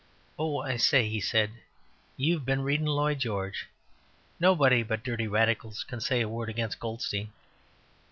"Oh, I say," he said, "you've been readin' Lloyd George. Nobody but dirty Radicals can say a word against Goldstein."